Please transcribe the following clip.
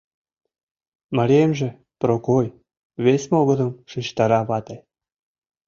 — Мариемже — Прокой, — вес могырым шижтара вате.